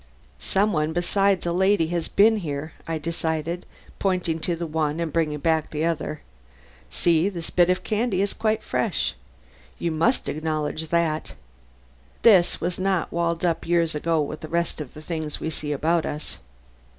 "Some one besides a lady has been here," I decided, pointing to the one and bringing back the other. "See! this bit of candy is quite fresh. You must acknowledge that. This was not walled up years ago with the rest of the things we see about us."